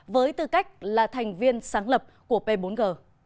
với tư cách là thành viên sáng lập của p bốn g